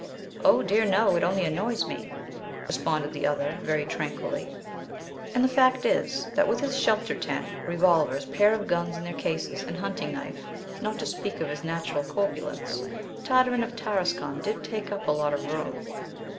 "Oh, dear, no! it only annoys me," responded the other, very tranquilly. And the fact is, that, with his shelter tent, revolvers, pair of guns in their cases, and hunting knife, not to speak of his natural corpulence, Tartarin of Tarascon did take up a lot of room.